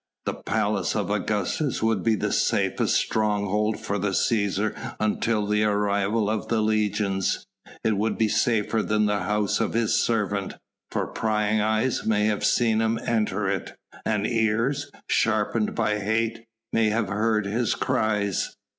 "The Palace of Augustus would be the safest stronghold for the Cæsar until the arrival of the legions. It would be safer than the house of his servant, for prying eyes may have seen him enter it, and ears sharpened by hate may have heard his cries."